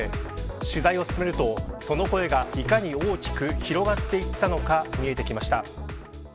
取材を進めると、その声がいかに大きく広がっていったのか見えてきました。